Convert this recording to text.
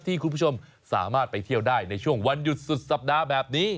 คุณผู้ชมสามารถไปเที่ยวได้ในช่วงวันหยุดสุดสัปดาห์แบบนี้